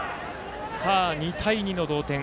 ２対２の同点。